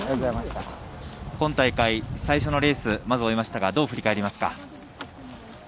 今大会、最初のレースまず終えましたがどう振り返りますか？